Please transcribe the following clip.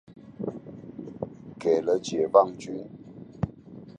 給了解放軍